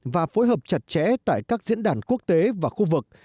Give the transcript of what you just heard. và phối hợp chặt chẽ tại các diễn đàn quốc tế và khu vực